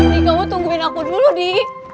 nih kamu tungguin aku dulu di